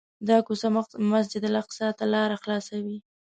دا کوڅه مسجدالاقصی ته لاره خلاصوي.